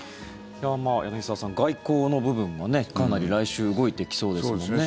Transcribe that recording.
柳澤さん外交の部分がかなり来週、動いてきそうですもんね。